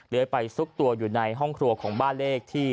ไปซุกตัวอยู่ในห้องครัวของบ้านเลขที่